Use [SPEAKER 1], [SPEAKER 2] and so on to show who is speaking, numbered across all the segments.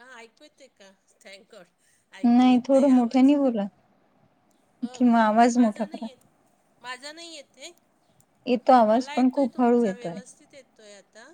[SPEAKER 1] हा ऐकू येतय का थँकगॉड ऐकू
[SPEAKER 2] नाही थोडं
[SPEAKER 1] येते आवाज
[SPEAKER 2] मोठ्यानी बोला
[SPEAKER 1] हो
[SPEAKER 2] किंवा
[SPEAKER 1] का
[SPEAKER 2] आवाज मोठा
[SPEAKER 1] माझा नाही
[SPEAKER 2] करा.
[SPEAKER 1] येत माझा नाही येत हे
[SPEAKER 2] येतो आवाज
[SPEAKER 1] मला
[SPEAKER 2] पण
[SPEAKER 1] येतोय
[SPEAKER 2] खूप हळू
[SPEAKER 1] तुमचा
[SPEAKER 2] येतोय.
[SPEAKER 1] व्यवस्थित येतोय आता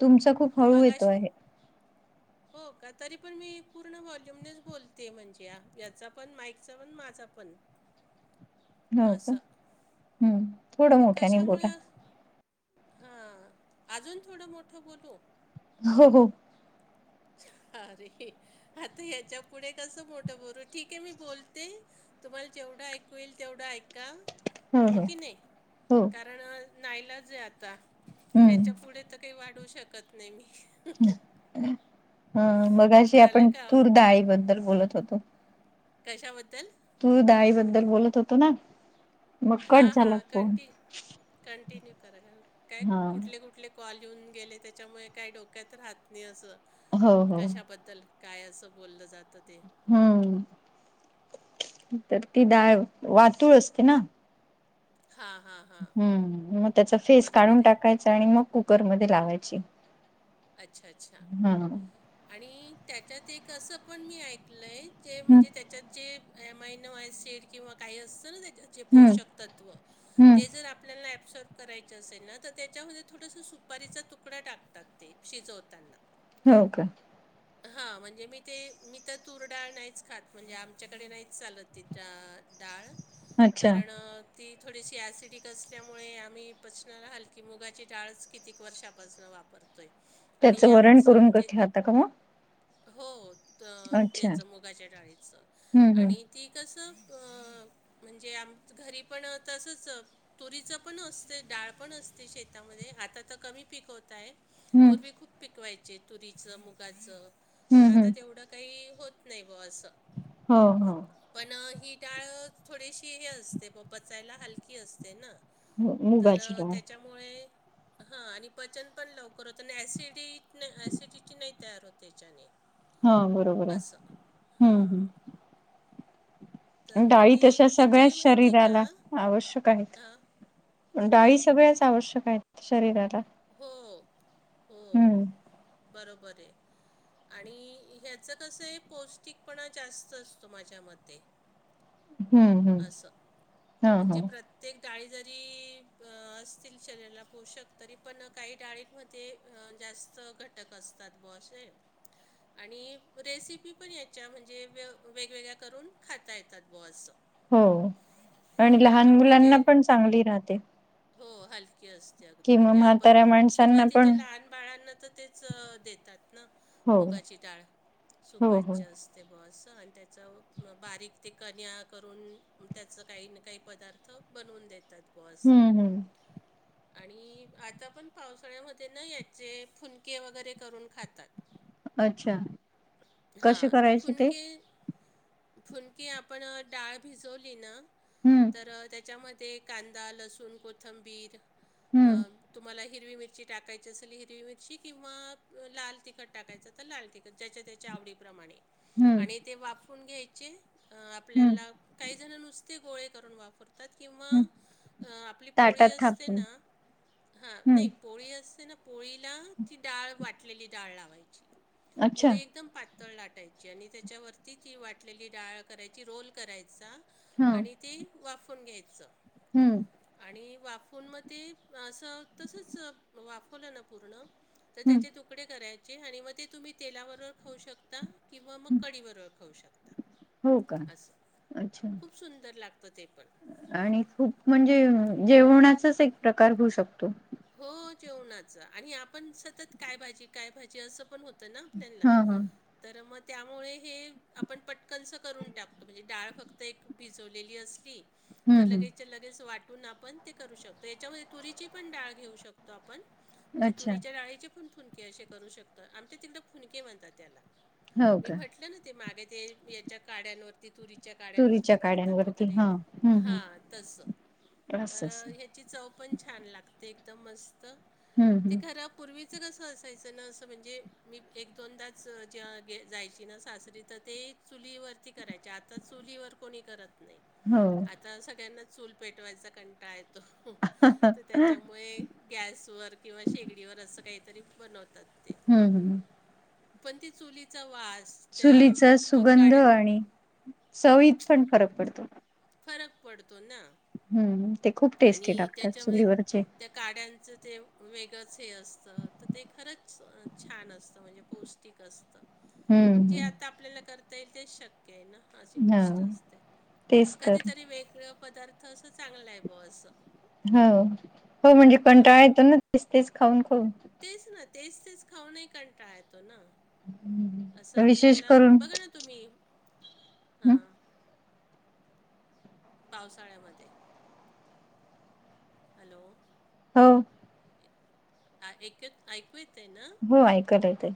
[SPEAKER 2] तुमचा खूप
[SPEAKER 1] ते
[SPEAKER 2] हळू येतो
[SPEAKER 1] मगाशी
[SPEAKER 2] आहे
[SPEAKER 1] हो का तरी पण मी पूर्ण वॉल्यूमनेच बोलते म्हणजे याचा पण माईकचा पण माझा पण
[SPEAKER 2] हो का?
[SPEAKER 1] असं
[SPEAKER 2] हम्म थोडं
[SPEAKER 1] ते
[SPEAKER 2] मोठ्याने बोला.
[SPEAKER 1] कशामुळे? हां अजून थोडं मोठं बोलू?
[SPEAKER 2] हो हो
[SPEAKER 1] अरे आता ह्याच्या पुढे कस मोठं बोलू? ठीक आहे मी बोलते. तुम्हाला जेवढा ऐकू येईल तेवढं ऐका हो की नाही.
[SPEAKER 2] हो
[SPEAKER 1] कारण नाईलाज आहे आता.
[SPEAKER 2] हम्म
[SPEAKER 1] याच्या पुढे तर काही वाढवू शकत नाही मी
[SPEAKER 2] हा मगाशी
[SPEAKER 1] झालं
[SPEAKER 2] आपण
[SPEAKER 1] का आवरून?
[SPEAKER 2] तूरडाळी बद्दल बोलत होतो
[SPEAKER 1] कशाबद्दल?
[SPEAKER 2] तूर दाळी बद्दल बोलत होतो ना मग
[SPEAKER 1] हा
[SPEAKER 2] कट
[SPEAKER 1] हा
[SPEAKER 2] झाला फोन.
[SPEAKER 1] कंटी कंटिन्यू करा काय
[SPEAKER 2] हा
[SPEAKER 1] कुठले कुठले? कॉल येऊन गेले त्याच्यामुळे काय डोक्यात राहत नाही असं
[SPEAKER 2] हो हो
[SPEAKER 1] कशाबद्दल? काय असं बोललं जातं ते
[SPEAKER 2] हम्म तर ती डाळ वातूळ असते ना
[SPEAKER 1] हां हां. हां
[SPEAKER 2] हम्म मग त्याचा फेस काढून
[SPEAKER 1] बरोबर आहे
[SPEAKER 2] टाकायचा आणि मग कुकरमध्ये लावायची
[SPEAKER 1] अच्छा अच्छा
[SPEAKER 2] हा हम्म
[SPEAKER 1] आणि त्याच्यात एक असं पण मी ऐकलंय ते म्हणजे त्याच्यात जे एम आय नो ऍसिड किंवा काय असत ना ते त्याचे
[SPEAKER 2] हम्म
[SPEAKER 1] पोषक तत्व
[SPEAKER 2] हम्म
[SPEAKER 1] ते जर आपल्याला ऍबसोब करायच असेल ना तर त्याच्यामध्ये थोडंसं सुपारीचा तुकडा टाकतात ते शिजवताना
[SPEAKER 2] हो का?
[SPEAKER 1] हा म्हणजे मी ते मी तर तुरडाळ नाहीच खात म्हणजे आमच्याकडे नाहीच चालत ती त्या डाळ
[SPEAKER 2] अच्छा
[SPEAKER 1] कारण ती थोडीशी ॲसिडिक असल्यामुळे आम्ही पचनाला हलकी मुगाची डाळच कितीक वर्षापासून वापरतो परतोय
[SPEAKER 2] त्याचं वरण करून ठेवता का मग?
[SPEAKER 1] हो
[SPEAKER 2] अच्छा
[SPEAKER 1] याचं मुगाच्या डाळीच
[SPEAKER 2] हम्म हम्म
[SPEAKER 1] आणि ती कसं म्हणजे आमच घरी पण तसंच तुरीचं पण असते डाळ पण असतीं शेतामध्ये आता तर कमी पीकवतात
[SPEAKER 2] हम्म
[SPEAKER 1] पूर्वी खूप पिकवायचे तुरीच मुगाचं पण
[SPEAKER 2] हम्म
[SPEAKER 1] आता
[SPEAKER 2] हम्म
[SPEAKER 1] तेवढं काही होत नाही बुवा असं
[SPEAKER 2] हो हो
[SPEAKER 1] पण ही डाळ थोडीशी हे असते प पचायला हलकी असते ना
[SPEAKER 2] हो
[SPEAKER 1] तर
[SPEAKER 2] मुगाची डाळ
[SPEAKER 1] त्याच्या मूळे हा आणि पचन पण लवकर होत आणि ऍसिडिटी नाई तयार होते हेच्याने
[SPEAKER 2] हा बरोबर आहे हम्म
[SPEAKER 1] हां.
[SPEAKER 2] हम्म
[SPEAKER 1] तर मग
[SPEAKER 2] डाळी
[SPEAKER 1] ते
[SPEAKER 2] तशा सगळ्याच
[SPEAKER 1] त्याची माहिती का?
[SPEAKER 2] शरीराला आवश्यक
[SPEAKER 1] हां.
[SPEAKER 2] आहेत डाळी
[SPEAKER 1] काय?
[SPEAKER 2] सगळ्याच आवश्यक आहेत शरीराला.
[SPEAKER 1] हो हो
[SPEAKER 2] हम्म
[SPEAKER 1] बरोबर आहे. आणि ह्याचं कसं आहे पौष्टिकपणा जास्त असतो माझ्या मते.
[SPEAKER 2] हम्म हम्म
[SPEAKER 1] असं
[SPEAKER 2] हा हा
[SPEAKER 1] म्हणजे प्रत्य ते डाळी जरी असतील शरीराला पोषक तरी पण काही डाळी म्हण ते जास्त घटक असतात बसे आहे. आणि रेसिपी पण याच्या म्हणजे वेगवेगळ्या करून खाता येतात ब असं.
[SPEAKER 2] हो आणि
[SPEAKER 1] हां.
[SPEAKER 2] लहान मुलांना
[SPEAKER 1] म्हणजे
[SPEAKER 2] पण चांगली राहते.
[SPEAKER 1] हो हलकी असते अगदी
[SPEAKER 2] किंवा
[SPEAKER 1] म्हणजे आपण
[SPEAKER 2] म्हाताऱ्या माणसांना
[SPEAKER 1] सुरवाती
[SPEAKER 2] पण
[SPEAKER 1] लहान बाळांना तर तेच देतात ना
[SPEAKER 2] हो
[SPEAKER 1] मुगाची डाळ
[SPEAKER 2] हो हो
[SPEAKER 1] सुपाच्या असस्त ते बसं आणि त्याचं बारीक ते कन्या करून त्याचं काही ना काही पदार्थ. बनवून देतात बॉल्स.
[SPEAKER 2] हम्म हम्म
[SPEAKER 1] आणि आता पण पावसाळ्यामध्ये ना याचे फुनके वगैरे करून खातात.
[SPEAKER 2] अच्छा
[SPEAKER 1] हा
[SPEAKER 2] कशी
[SPEAKER 1] तर
[SPEAKER 2] करायची
[SPEAKER 1] फुन
[SPEAKER 2] ते
[SPEAKER 1] के. फुनकी आपण डाळ भिजवली ना.
[SPEAKER 2] हम्म.
[SPEAKER 1] तर त्याच्यामध्ये कांदा लसूण कोथंबीर अ
[SPEAKER 2] हम्म
[SPEAKER 1] तुम्हाला हिरवी मिरची टाकायची असेल हिरवी मिरची किंवा लाल तिखट टाकायचं. तर लाल तिकट ज्याच्या त्याच्या आवडीप्रमाणे.
[SPEAKER 2] हम्म
[SPEAKER 1] आणि ते वापरून घ्यायचे
[SPEAKER 2] हम्म
[SPEAKER 1] आपल्याला काही जण नुसते गोळे करून वापर तात किंवा
[SPEAKER 2] हम्म
[SPEAKER 1] आपली पोळी
[SPEAKER 2] ताटात
[SPEAKER 1] असते
[SPEAKER 2] थापून
[SPEAKER 1] ना हा
[SPEAKER 2] हम्म
[SPEAKER 1] नाही. पोळी असते ना पोळीला ती डाळ वाटलेली डाळ लावायची
[SPEAKER 2] अच्छा
[SPEAKER 1] पोळी. एकदम पातळ लाटायची आणि त्याच्यावरती ती वाटलेली डाळ करायची रोल करायचा.
[SPEAKER 2] हा
[SPEAKER 1] आणि ती वाफून घ्यायचं.
[SPEAKER 2] हम्म.
[SPEAKER 1] आणि वाफवून मग ती असं तसंच वाफवलं ना पूर्ण. तर
[SPEAKER 2] हम्म
[SPEAKER 1] त्याचे तुकडे करायचे आणि मग ते तुम्ही तेलाबरोबर खाऊ शकता. किंवा मग कडी बरोबर खाऊ शकता.
[SPEAKER 2] हो का
[SPEAKER 1] असं
[SPEAKER 2] अच्छा.
[SPEAKER 1] खूप सुंदर लागतं ते पण.
[SPEAKER 2] आणि खूप म्हणजे जेवणाचाच एक प्रकार होऊ शकतो.
[SPEAKER 1] हो जेवणाच आणि आपण सतत काय भाजी काय भाजी असं पण होत ना आपल्या
[SPEAKER 2] हा हा
[SPEAKER 1] तर मग त्यामुळे हे. आपण पटकनचं करून टाकतो म्हणजे डाळ फक्त एक भिजवलेली असली.
[SPEAKER 2] हम्म
[SPEAKER 1] तर लगेच
[SPEAKER 2] हम्म
[SPEAKER 1] लगेच वाटून आपण ते करू शकतो याच्यामध्ये तुरीची पण डाळ. घेऊ शकतो आपण म्हण
[SPEAKER 2] अच्छा
[SPEAKER 1] तुरीच्या डाळीचे पण फूनके अशे करू शकतं आमच्या तिकड फुनके म्हणतात त्याला
[SPEAKER 2] हो का
[SPEAKER 1] म्हटलं ना. ते मागे ते याच्या काड्यांवरती. तुरीचा काड्यांवरती
[SPEAKER 2] तुरीच्या
[SPEAKER 1] करतात
[SPEAKER 2] काड्यांवरती
[SPEAKER 1] वगैरे
[SPEAKER 2] हा हम्म हम्म
[SPEAKER 1] हा तस
[SPEAKER 2] असं असं
[SPEAKER 1] ची चव पण छान लागते एकदम मस्त
[SPEAKER 2] हम्म
[SPEAKER 1] ते
[SPEAKER 2] हम्म
[SPEAKER 1] खरा. पूर्वीचं कसं असायचं ना असं म्हणजे मी एक दोनदाच जे जायची ना सासरी तर ते चुलीवरती करायचे आता चुलीवर. कोणी करत नाही.
[SPEAKER 2] हो.
[SPEAKER 1] आता सगळ्यांनाच चूल पेटवायचा कंटाळा येतो.
[SPEAKER 2] [unintelligible]
[SPEAKER 1] मुळे गॅसवर किंवा शेगडीवर असं काहीतरी बनवतात ते.
[SPEAKER 2] हम्म
[SPEAKER 1] पण ती चुलीचा वास. त्या
[SPEAKER 2] चुलीचा सुगंध
[SPEAKER 1] तुरकाड्यां
[SPEAKER 2] आणि चवीत पण फरक पडतो.
[SPEAKER 1] फरक पडतो ना.
[SPEAKER 2] हम्म, ते खूप
[SPEAKER 1] आणि
[SPEAKER 2] टेस्टी लागतात
[SPEAKER 1] त्याच्यामध्ये
[SPEAKER 2] चुलीवरचे.
[SPEAKER 1] त्या काड्यांचं ते वेगळंच हे असतं, तर ते खरंच छान असतं म्हणजे पौस्ट ष्टिक असत,
[SPEAKER 2] हम्म
[SPEAKER 1] पण जे
[SPEAKER 2] हम्म
[SPEAKER 1] आता आपल्याला करता येईल तेच शक्य आहे ना. अशी
[SPEAKER 2] हा
[SPEAKER 1] गोष्ट असते,
[SPEAKER 2] तेच
[SPEAKER 1] पण
[SPEAKER 2] तर
[SPEAKER 1] कधीतरी वेगळ पदार्थ अस चांगला आहे. बस.
[SPEAKER 2] हो, हो म्हणजे कंटाळा येतो ना तेच तेच खाऊन खाऊन
[SPEAKER 1] तेच ना तेच तेच खाऊनही कंटाळा येतो ना, असं
[SPEAKER 2] विशेष
[SPEAKER 1] आपल्याला
[SPEAKER 2] करून
[SPEAKER 1] बघा ना तुम्ही हा
[SPEAKER 2] हं
[SPEAKER 1] पावसाळ्यामध्ये हॅलो
[SPEAKER 2] हो
[SPEAKER 1] ऐक क ऐकू येतय ना?
[SPEAKER 2] हो ऐकायला येतय.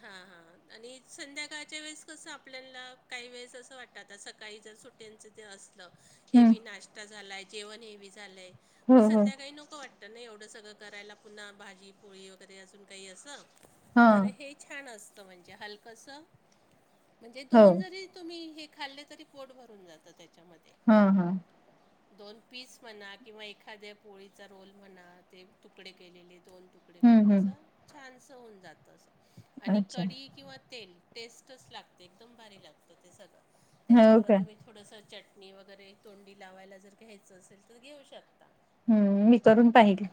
[SPEAKER 1] हा हा आणि संध्याकाळच्या वेळेस कसं आपल्याला काही वेळेस असं वाटतं, आ सकाळी जर सुट्यांचं ते असलं
[SPEAKER 2] हं
[SPEAKER 1] हेवी नाश्ता झालाय, जेवण हेवी झालंय म
[SPEAKER 2] हो हो
[SPEAKER 1] संध्याकाळी नको वाट त ना एवढं सगळं करायला पुन्हा भाजी, पोळी वगैरे अजून काही असं तर
[SPEAKER 2] हां
[SPEAKER 1] हे छान असतं म्हणजे हलकसं म्हणजे
[SPEAKER 2] हो
[SPEAKER 1] दोन जरी तुम्ही हे खाल्ले तरी पोट भरून जातं त्याच्यामध्ये.
[SPEAKER 2] हा हा
[SPEAKER 1] दोन पीस म्हणा किंवा एखाद्या पोळीचा रोल म्हणा, ते तुकडे केलेले दोन तुकडे कडे
[SPEAKER 2] हं
[SPEAKER 1] केले जसं
[SPEAKER 2] हं
[SPEAKER 1] छानसं होऊन जातं असं आणि
[SPEAKER 2] अच्छा
[SPEAKER 1] कढी किंवा तेल टेस्टच लागते, एकदम भारी लागतं ते सगळं
[SPEAKER 2] हो
[SPEAKER 1] त्याच्यावर
[SPEAKER 2] का
[SPEAKER 1] तुम्ही थोडंसं चटणी वगैरे तोंडी लावायला, जर घ्यायचं असेल तर घेऊ शकता.
[SPEAKER 2] हम्म मी करून पाहिल.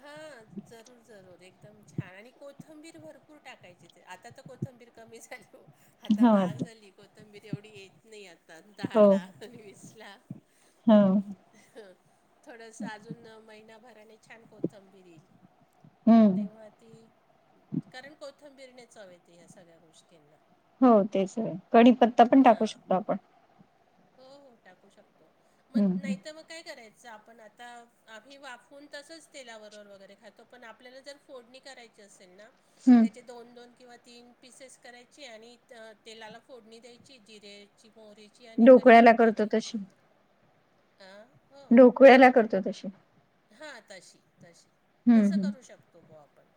[SPEAKER 1] हा जरूर जरूर एकदम छान आणि कोथंबीर भरपूर टाकायची आता तर कोथंबीर कमी झालं, आता महाग झाली कोथंबीर एवढी य नाही आता दहा
[SPEAKER 2] हो
[SPEAKER 1] ला आणि वीस ला
[SPEAKER 2] हो
[SPEAKER 1] थोडस अजून महिनाभराने छान कोथंबीर येईल. तर
[SPEAKER 2] हं
[SPEAKER 1] तेव्हा ती कारण कोथंबिरनेच चव येते या सगळ्या गोष्टींना
[SPEAKER 2] हो तेच नी कढीपत्ता पण टाकू
[SPEAKER 1] हां
[SPEAKER 2] शकतो आपण.
[SPEAKER 1] हो हो टाकू शकतो,
[SPEAKER 2] हं
[SPEAKER 1] मग
[SPEAKER 2] हं
[SPEAKER 1] नाही तर मग काय करायचं आपण आता आम्ही वाफवून तसंच तेला बरोबर पण आपल्याला जर फोडणी करायची असे
[SPEAKER 2] हं
[SPEAKER 1] त्या दोन दोन किंवा तीन पिसेस करायची आणि तेलाला फोडणी द्यायची जिरेची, मोहरी
[SPEAKER 2] ढोकळ्याला करतो तशी.
[SPEAKER 1] अं
[SPEAKER 2] ढोकळ्याला करतो तशी.
[SPEAKER 1] हा तशी तशी
[SPEAKER 2] हं
[SPEAKER 1] तसं
[SPEAKER 2] हं
[SPEAKER 1] करू शकतो, ब आपण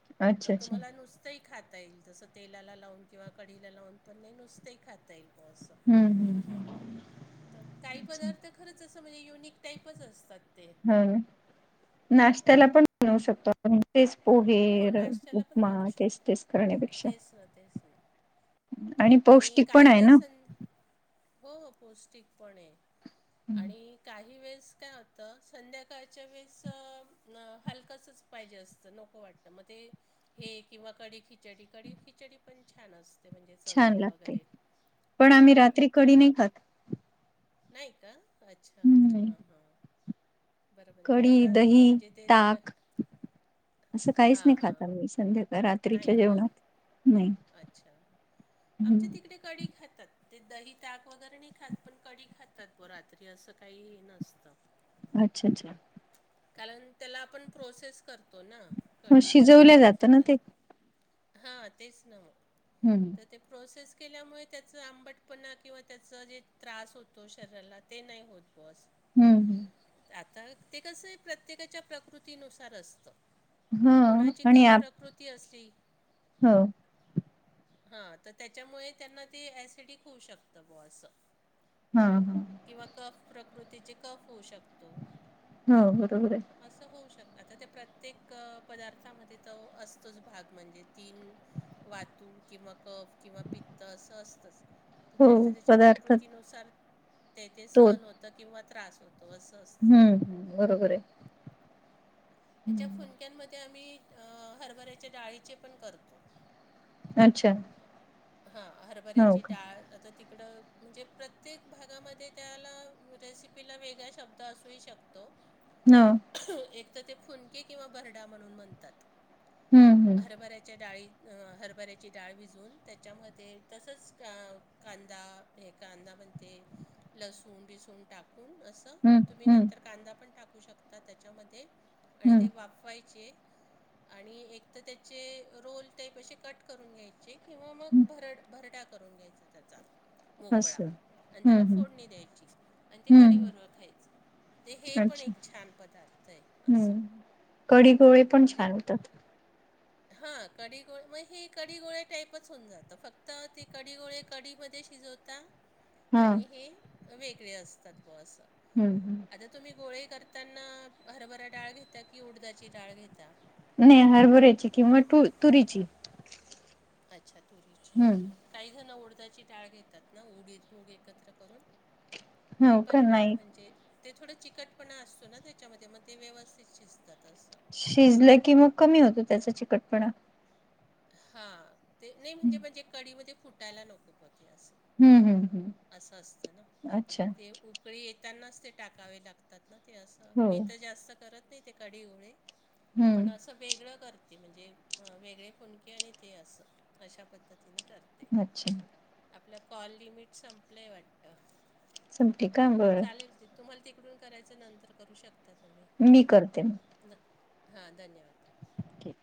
[SPEAKER 1] मग
[SPEAKER 2] अच्छा अच्छा
[SPEAKER 1] तुम्हाला नुस तंही खाता येईल, तसं तेलाला लावून किंवा कढीला लावून पण नाही नुसतंही खाता येईल. ऑसम
[SPEAKER 2] हं हं
[SPEAKER 1] तर काही
[SPEAKER 2] अच्छा
[SPEAKER 1] पदार्थ खरंच असं म्हणजे युनिक टाईपच असतात ते.
[SPEAKER 2] ह नाश्त्याला पण बनवू शकतो आपण. तेच पोहे,
[SPEAKER 1] हो
[SPEAKER 2] र
[SPEAKER 1] नाश्त्याला
[SPEAKER 2] उपमा तेच तेच करण्यापेक्षा
[SPEAKER 1] स तेच ना.
[SPEAKER 2] आणि पौष्टिक पण
[SPEAKER 1] काही
[SPEAKER 2] आहे ना.
[SPEAKER 1] वेळेस सं हो हो पौष्टिकपण आहे आणि काही वेळेस काय हो तं संध्याकाळच्या वेळेस हलकासच पाहिजे असतं नक खावू वाटतं मग ते, हे किंवा कढी खिचडी, कढी खिचडी पण छान असते. ते म्हणजे
[SPEAKER 2] छान
[SPEAKER 1] चवीला
[SPEAKER 2] लागते
[SPEAKER 1] वगैरे,
[SPEAKER 2] पण
[SPEAKER 1] हा
[SPEAKER 2] आम्ही रात्री
[SPEAKER 1] ते
[SPEAKER 2] कडी नाही
[SPEAKER 1] पण
[SPEAKER 2] खात
[SPEAKER 1] नाही का, अच्छा हा हा..
[SPEAKER 2] कढी दही
[SPEAKER 1] म्हणजे ते थोडं
[SPEAKER 2] ताक असं, काहीच
[SPEAKER 1] हां
[SPEAKER 2] नाही
[SPEAKER 1] हां
[SPEAKER 2] खात आम्ही. संध्याकाळ
[SPEAKER 1] नाही
[SPEAKER 2] रात्रीच्या
[SPEAKER 1] का
[SPEAKER 2] जेवणात नाही.
[SPEAKER 1] अच्छा, आमच्या
[SPEAKER 2] हम्म
[SPEAKER 1] तिकडे. कडी खातात ते दही ताक वगैरे नाही खात पण, कडी खातात ब रात्री असं काही हे नसतं.
[SPEAKER 2] अच्छा अच्छा.
[SPEAKER 1] कारण त्याला आपण प्रोसेस करतो ना.
[SPEAKER 2] मग
[SPEAKER 1] कढीला
[SPEAKER 2] शिजवल्या जातं ना ते.
[SPEAKER 1] हा तेच नं.
[SPEAKER 2] हम्...
[SPEAKER 1] ते प्रोसेस केल्यामुळे त्याचं आंबटपणा किंवा, त्याच जे त्रास होतो शरीराला. ते नाही होत बस.
[SPEAKER 2] हम्म हम्..
[SPEAKER 1] आता ते कसं ये, प्रत्येकाच्या प्रकृतीनुसार असतं.
[SPEAKER 2] हा
[SPEAKER 1] कोणाची
[SPEAKER 2] आणि
[SPEAKER 1] कफ
[SPEAKER 2] आप
[SPEAKER 1] प्रकृती असली.
[SPEAKER 2] हो.
[SPEAKER 1] हा तर त्याच्यामुळे त्यांना ते, अॅसेडिक होऊ शकतं बुवा असं.
[SPEAKER 2] ह.. ह...
[SPEAKER 1] किंवा कफ प्रकृतीचे, कफ होऊ शकतो.
[SPEAKER 2] हो बरोबर ये.
[SPEAKER 1] असं होऊ शकतं. आता त्या प्रत्येक पदार्थामध्ये तो, असतोच भाग म्हणजे तीन. वातू की मगं. कप किंवा पित्त असं असतंच, तर
[SPEAKER 2] हो
[SPEAKER 1] ज्यांच्या त्यांच्या
[SPEAKER 2] पदार्थ
[SPEAKER 1] प्रकृतीनुसार. तेते
[SPEAKER 2] तो
[SPEAKER 1] सहण होत किंवा, त्रास होतो असं असत.
[SPEAKER 2] हम्म हम्म बरोबर ये.
[SPEAKER 1] याच्या फुनक्यांमध्ये, आम्ही हरभऱ्याच्या डाळीचे पण करतो.
[SPEAKER 2] अच्छा.
[SPEAKER 1] हा
[SPEAKER 2] हो
[SPEAKER 1] हरभऱ्याची
[SPEAKER 2] का
[SPEAKER 1] डाळ आता ती, इकडं म्हणजे प्रत्येक भागामध्ये त्याला, रेसिपीला वेगळा शब्द असू ही शकतो.
[SPEAKER 2] हो.
[SPEAKER 1] एक तर ते फुनके किंवा भरडा म्हणून म्हणतात.
[SPEAKER 2] हम्म हम्म
[SPEAKER 1] हरभऱ्याच्या डाळीत हरभऱ्याची डाळ भिजवून त्याच्यामध्ये, तसंच का कांदा. हे कांदा म्हणते, लसूण बिसून टाकून कसं. फक्त
[SPEAKER 2] हम्म
[SPEAKER 1] तुम्ही
[SPEAKER 2] हम्म
[SPEAKER 1] नंतर, कांदा पण टाकू शकता त्यांच्यामध्ये. आणि ते
[SPEAKER 2] हम्म
[SPEAKER 1] वाफवायचे. आणि एक तर त्याचे रोल टाईप कट करून घ्यायचे, किंवा मग
[SPEAKER 2] हम्म
[SPEAKER 1] भरड भरडा करून घ्यायचे. त्यांचा मोकळा
[SPEAKER 2] असं.
[SPEAKER 1] आणि
[SPEAKER 2] हम्म
[SPEAKER 1] त्याला
[SPEAKER 2] हम्म
[SPEAKER 1] फोडणी द्यायची. आणि ते कढी
[SPEAKER 2] हम्म
[SPEAKER 1] बरोबर खायचं. ते हे पण
[SPEAKER 2] अच्छा
[SPEAKER 1] एक छान पदार्थ आहे. असं
[SPEAKER 2] हम्म कडी गोळे पण
[SPEAKER 1] म्हणजे,
[SPEAKER 2] छान होतात.
[SPEAKER 1] [inaudible] हा कढी गोळे मग, कडीगोळे टाईपच होऊन जातं. फक्त ते कडी गोळे. कढीमध्ये शिजवता
[SPEAKER 2] हा
[SPEAKER 1] आणि हे, वेगळे असतात बुवा असं.
[SPEAKER 2] हम.. हम..
[SPEAKER 1] आता तुम्ही गोळे करताना. हरभरा डाळ घेता की उडदाची डाळ घेता.
[SPEAKER 2] नाही हरभऱ्याची किंव किंवा तुरीची. ‌
[SPEAKER 1] अच्छा, तुरीची
[SPEAKER 2] हम्म
[SPEAKER 1] काही जण, उडदाची टाळ घेतात ना, उडीद मूग एकत्र करून. ति
[SPEAKER 2] हो का
[SPEAKER 1] पन डाळ
[SPEAKER 2] नाही
[SPEAKER 1] म्हणजे, ते थोडं चिकटपणा असतो ना, तेच्यामध्ये मग ते व्यवस्थित शिजतात असं.
[SPEAKER 2] शिजलं की मग कमी होतो. त्याचा चिकटपणा.
[SPEAKER 1] हा ते नाही म्हणजे
[SPEAKER 2] हम्म
[SPEAKER 1] म्हणजे कडीमध्ये फुटायला नको फकी असं
[SPEAKER 2] हम्म हम् हम्
[SPEAKER 1] असं असतं ना ते उकळी येतानाच ते टाकावे लागतात ना ते अस
[SPEAKER 2] हो
[SPEAKER 1] मी तर जास्त करत नाही ते कढी गोळे पण
[SPEAKER 2] हम्म
[SPEAKER 1] असं. वेगळं करते म्हणजे वेगळे फोनके आणि ते असं अशा पद्धतीने करते
[SPEAKER 2] अच्छा
[SPEAKER 1] आपल्या कॉल लिमिट संपलंय वाटतं
[SPEAKER 2] सती का बरं
[SPEAKER 1] चालेल ते तुम्हाला तिकडून करायचं नंतर करू शकता तुम्ही हां
[SPEAKER 2] मी करते
[SPEAKER 1] द हां धन्यवाद
[SPEAKER 2] क